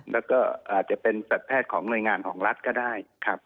แล้วก็อาจจะเป็นสัตว์แพทย์ของหน่วยงานของรัฐก็ได้ครับ